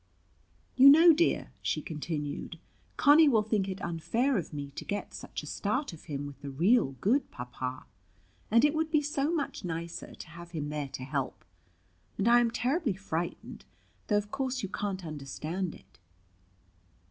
"You know, dear," she continued, "Conny will think it unfair of me to get such a start of him with the real good Papa; and it would be so much nicer to have him there to help. And I am terribly frightened, though of course you can't understand it."